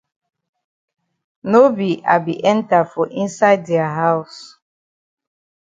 No be I be enter for inside dia haus.